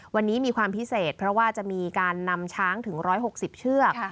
วันนี้มีความพิเศษเพราะว่าจะมีการนำช้างถึง๑๖๐เชือก